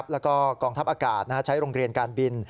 แล้วก็กองทัพอากาศใช้โรงเรียนการบิน